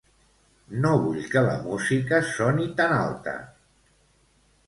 No vull que la música soni tan alta.